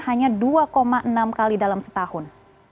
hanya dua enam kali dalam setahun